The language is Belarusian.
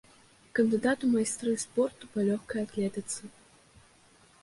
Кандыдат у майстры спорту па лёгкай атлетыцы.